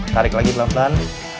tarik lagi pelan pelan